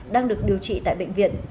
đang được điều trị tại bệnh viện